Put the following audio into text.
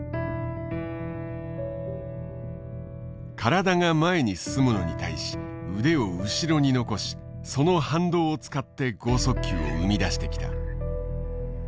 体が前に進むのに対し腕を後ろに残しその反動を使って剛速球を生み出してきた。